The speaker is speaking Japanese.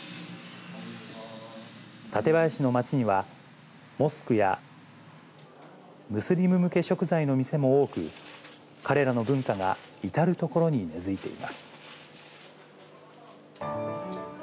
館林の街には、モスクや、ムスリム向け食材の店も多く、彼らの文化が至る所に根づいています。